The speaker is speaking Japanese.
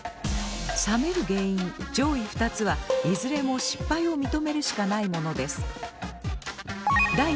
冷める原因上位２つはいずれも失敗を認めるしかないものです。